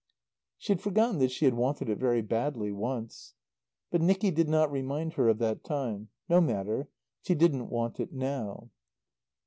(She had forgotten that she had wanted it very badly once. But Nicky did not remind her of that time. No matter. She didn't want it now).